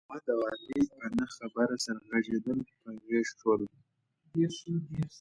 احمد او علي په نه خبره سره غېږ په غېږ شول.